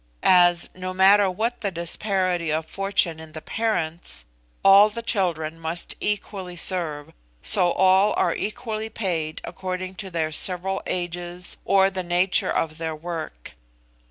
As, no matter what the disparity of fortune in the parents, all the children must equally serve, so all are equally paid according to their several ages or the nature of their work.